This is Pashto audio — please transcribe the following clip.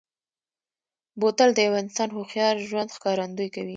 بوتل د یوه انسان هوښیار ژوند ښکارندوي کوي.